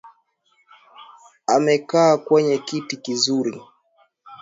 Amekaa kwenye kiti kizuri